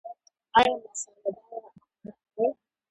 ایا مساله داره خواړه خورئ؟